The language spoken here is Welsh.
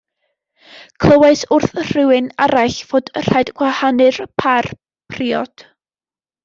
Clywais wrth rywun arall fod yn rhaid gwahanu'r pâr priod.